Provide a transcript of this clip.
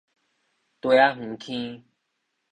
苧仔園坑